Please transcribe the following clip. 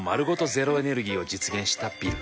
ゼロエネルギーを実現したビル。